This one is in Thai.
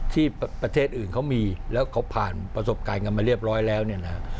ที่ประเทศอื่นเขามีแล้วเขาผ่านประสบการณ์กันมาเรียบร้อยแล้วเนี่ยนะ